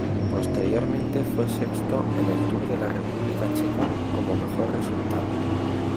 Posteriormente fue sexto en el Tour de la República Checa como mejor resultado.